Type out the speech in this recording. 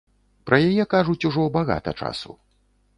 Пра яе кажуць ужо багата часу.